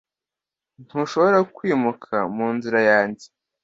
Ntushobora kwimuka munzira yanjye?